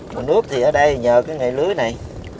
mà nước thì ở đây nhờ cái ngày lưới này